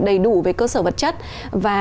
đầy đủ về cơ sở vật chất và